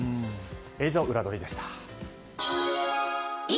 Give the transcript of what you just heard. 以上、ウラどりでした。